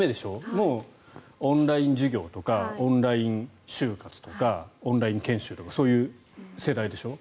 もうオンライン授業とかオンライン就活とかオンライン研修とかそういう世代でしょ？